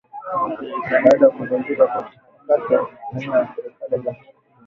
Baada ya kuvunjika kwa mkataba wa amani na serikali ya Jamhuri ya kidemokrasia ya Kongo.